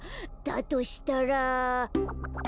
としたら。